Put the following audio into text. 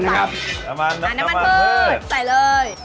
น้ำมันพืช